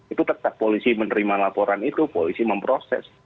itu tetap polisi menerima laporan itu polisi memproses